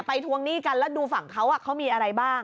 ทวงหนี้กันแล้วดูฝั่งเขาเขามีอะไรบ้าง